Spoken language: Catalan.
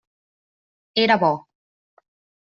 Era bo.